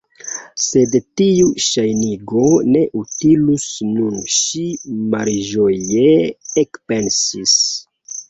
"Sed tiu ŝajnigo ne utilus nun"—ŝi malĝoje ekpensis—.